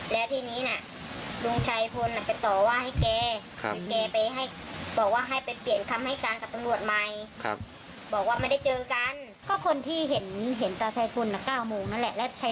ดูเวลาผิดหรือเปล่า